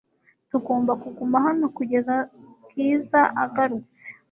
Tugomba kuguma hano kugeza Bwiza agarutse .